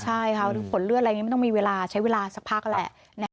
ใช่ค่ะผลเลือดอะไรไม่ต้องมีเวลาใช้เวลาสักพักแหละ